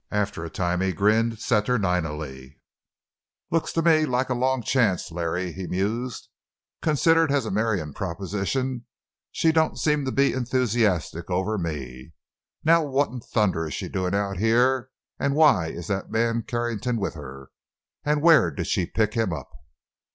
After a time he grinned saturninely: "Looks to me like a long chance, Larry," he mused. "Considered as a marrying proposition she don't seem to be enthusiastic over me. Now what in thunder is she doing out here, and why is that man Carrington with her—and where did she pick him up?"